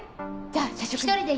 じゃあ社食に。